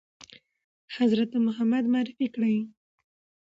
حضرت محمد معرفي کړی ؟